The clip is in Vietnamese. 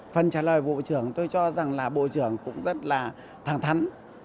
phần trả lời bộ trưởng tôi cho rằng là bộ trưởng cũng rất là thẳng thắn